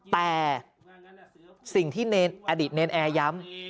แต่สิ่งที่อดีตเนรนแอร์ย้ำ